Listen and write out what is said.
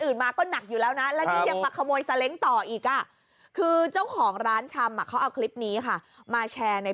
อื่นมาก็หนักอยู่แล้วนะนะขโมยสะเล้งต่ออีกค่ะคือเจ้าของร้านช่ำเขาอาวะคลิปนี้ค่ะมาแชร์ใน